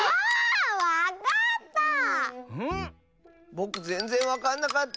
ぼくぜんぜんわかんなかった！